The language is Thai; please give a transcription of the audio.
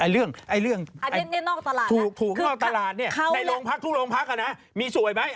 เรื่องถูกนอกตลาดเนี่ยในโรงพักทุกโรงพักมีสวยไหม